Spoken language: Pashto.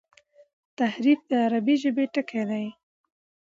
تحریف د عربي ژبي ټکی دﺉ.